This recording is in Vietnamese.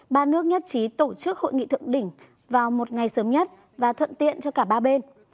ba nước nhất trí tổ chức hội nghị thượng đỉnh vào một ngày sớm nhất và thuận tiện cho cả ba bên